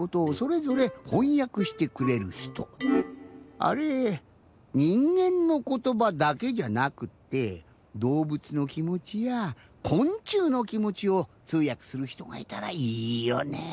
あれにんげんのことばだけじゃなくってどうぶつのきもちやこんちゅうのきもちをつうやくするひとがいたらいいよね。